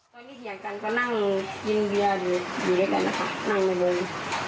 ตอนนี้เห็นกันก็นั่งกินเวียดอยู่ด้วยกันนะคะนั่งในบริเวณ